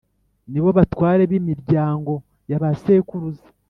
ni bo batware b’imiryango ya ba sekuruza